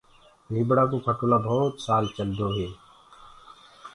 نيٚڀڙآ ڪو کٽولآ ڀوت سال چلدوئي